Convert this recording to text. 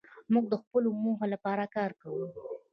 موږ د خپلو موخو لپاره کار کوو.